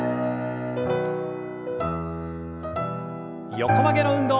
横曲げの運動。